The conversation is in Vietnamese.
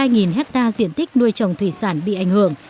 sáu hai nghìn hectare diện tích nuôi trồng thủy sản bị ảnh hưởng